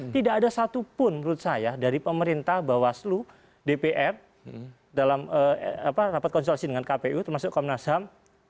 tidak ada satupun menurut saya dari pemerintah bawaslu dpr dalam rapat konsultasi dengan kpu termasuk komnas ham